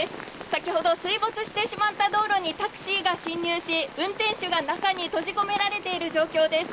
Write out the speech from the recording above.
先ほど水没してしまった道路にタクシーが進入し、運転手が中に閉じ込められている状況です。